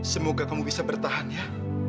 semoga kamu bisa bertahan ya